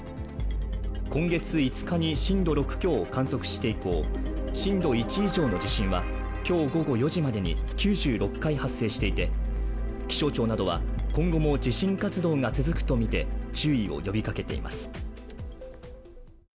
今月５日に震度６強を観測して以降、震度１以上の地震は今日午後４時までに９６回発生していて、気象庁などは今後も地震活動が続くとみて注意を呼びかけています。